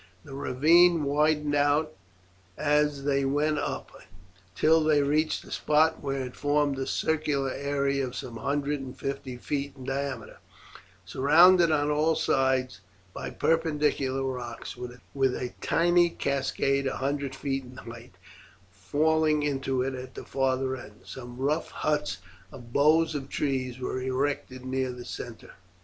The ravine widened out as they went up it, till they reached a spot where it formed a circular area of some hundred and fifty feet in diameter, surrounded on all sides by perpendicular rocks, with a tiny cascade a hundred feet in height falling into it at the farther end. Some rough huts of boughs of trees were erected near the centre.